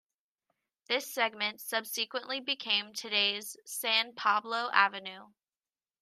This segment subsequently became today's "San Pablo Avenue".